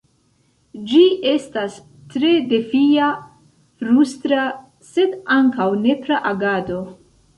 Ĝi estas tre defia, frustra, sed ankaŭ nepra agado.